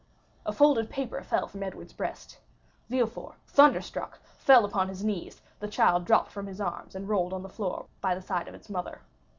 A folded paper fell from Edward's breast. Villefort, thunderstruck, fell upon his knees; the child dropped from his arms, and rolled on the floor by the side of its mother.